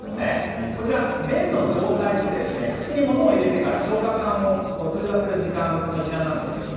こちらは便の状態と口にものを入れてから消化管を通過するのにかかる時間の一覧です。